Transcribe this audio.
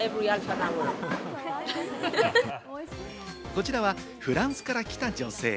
こちらはフランスから来た女性。